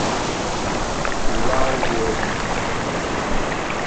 Tla uguren?